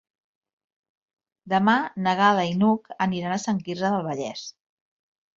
Demà na Gal·la i n'Hug aniran a Sant Quirze del Vallès.